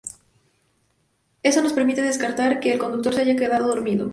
Eso nos permite descartar que el conductor se haya quedado dormido.